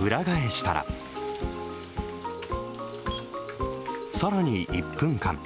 裏返したら、さらに１分間。